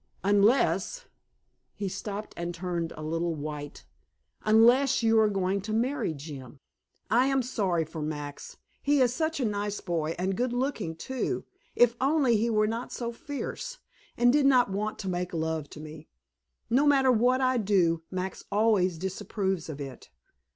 Unless" he stopped and turned a little white "unless you are going to marry Jim." I am sorry for Max. He is such a nice boy, and good looking, too, if only he were not so fierce, and did not want to make love to me. No matter what I do, Max always disapproves of it.